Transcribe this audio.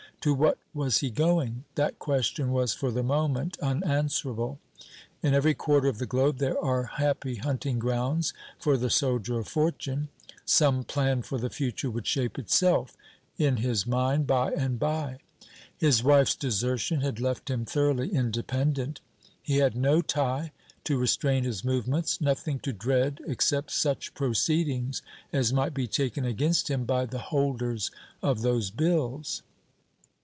To what was he going? That question was for the moment unanswerable. In every quarter of the globe there are happy hunting grounds for the soldier of fortune. Some plan for the future would shape itself in his mind by and by. His wife's desertion had left him thoroughly independent. He had no tie to restrain his movements, nothing to dread except such proceedings as might be taken against him by the holders of those bills.